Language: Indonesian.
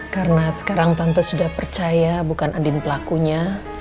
karena sekarang tante sudah percaya bukan adin pelakunya